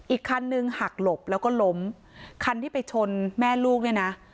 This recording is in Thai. อีกคันนึงหักหลบแล้วก็ล้มคันที่ไปชนแม่ลูกเนี่ยนะ